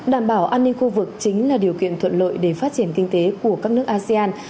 đảm bảo an ninh khu vực chính là điều kiện thuận lợi để phát triển kinh tế của các nước asean